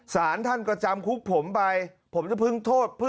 สารท่านก็จำคุกผมไปผมจะเพิ่งโทษ